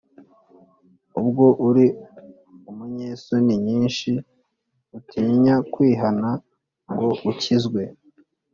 Ubwo uri umunyesoni nyinshi, Utinya kwihana ngo ukizwe